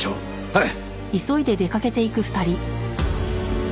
はい！